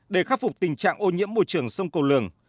để khắc phục tình trạng ô nhiễm môi trường sông cầu lường